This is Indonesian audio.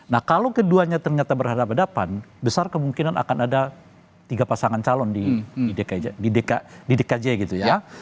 nah kalau keduanya ternyata berhadapan hadapan besar kemungkinan akan ada tiga pasangan calon di dkj gitu ya